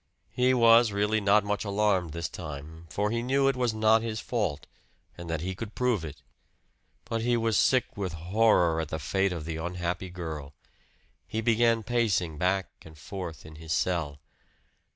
He was really not much alarmed this time, for he knew it was not his fault, and that he could prove it. But he was sick with horror at the fate of the unhappy girl. He began pacing back and forth in his cell.